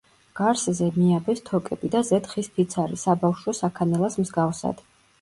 გარსზე მიაბეს თოკები და ზედ ხის ფიცარი საბავშვო საქანელას მსგავსად.